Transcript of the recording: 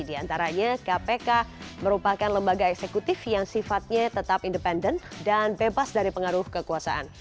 di antaranya kpk merupakan lembaga eksekutif yang sifatnya tetap independen dan bebas dari pengaruh kekuasaan